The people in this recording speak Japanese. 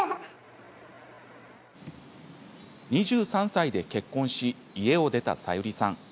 ２３歳で結婚し家を出たサユリさん。